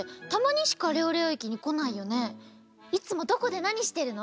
いつもどこでなにしてるの？